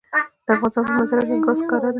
د افغانستان په منظره کې ګاز ښکاره ده.